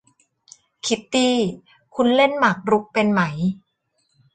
คิตตี้ คุณเล่นหมากรุกเป็นไหม ?